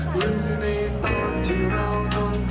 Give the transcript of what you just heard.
หรือในตอนที่เราโดนไกล